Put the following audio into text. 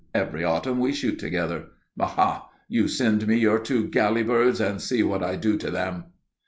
Every autumn we shoot together. Aha! You send me your two galley birds and see what I do to them."